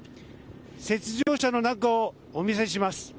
雪上車の中をお見せします。